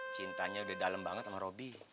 cintanya udah dalam banget sama roby